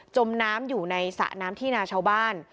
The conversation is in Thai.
มน้ำอยู่ในสระน้ำที่นาชาวบ้าน